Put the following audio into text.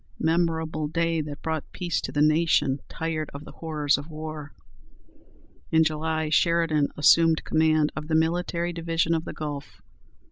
Memorable day! that brought peace to a nation tired of the horrors of war. In July, Sheridan assumed command of the Military Division of the Gulf.